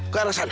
ke arah sana